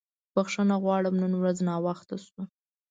بښنه غواړم نن ورځ ناوخته شو.